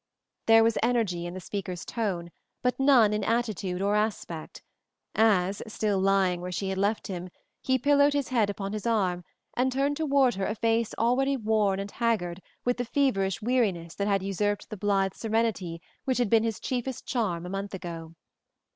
There was energy in the speaker's tone but none in attitude or aspect, as, still lying where she had left him, he pillowed his head upon his arm and turned toward her a face already worn and haggard with the feverish weariness that had usurped the blithe serenity which had been his chiefest charm a month ago.